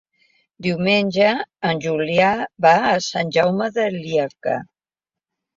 Diumenge en Julià va a Sant Jaume de Llierca.